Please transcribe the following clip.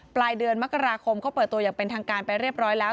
ปลายเดือนมกราคมเขาเปิดตัวอย่างเป็นทางการไปเรียบร้อยแล้ว